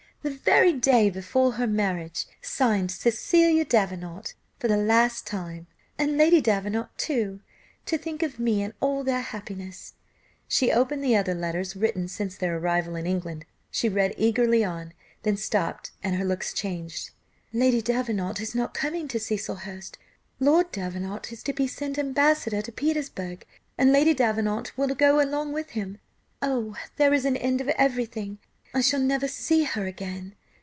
the very day before her marriage; signed 'Cecilia Davenant, for the last time,' and Lady Davenant, too to think of me in all their happiness." She opened the other letters, written since their arrival in England, she read eagerly on, then stopped, and her looks changed. "Lady Davenant is not coming to Cecilhurst. Lord Davenant is to be sent ambassador to Petersburgh, and Lady Davenant will go along with him! Oh! there is an end of everything, I shall never see her again!